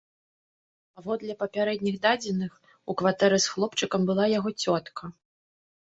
Паводле папярэдніх дадзеных, у кватэры з хлопчыкам была яго цётка.